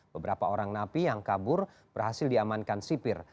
beberapa orang napi yang kabur berhasil diamankan sipir